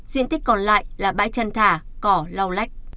diện tích còn lại là bãi chân thả cỏ lau lách